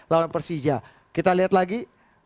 lawan persija kita lihat lagi